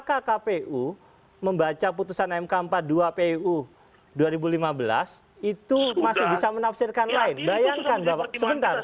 baik belum baca putusan mk empat baru dua ribu lima belas itu masih bisa menafsirkan lain sebentar sebentar